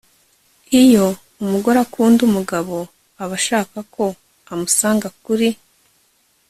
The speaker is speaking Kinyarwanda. iyo umugore akunda umugabo, aba ashaka ko amusanga kuri